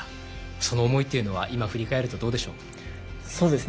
その思いは今振り返るとどうでしょう？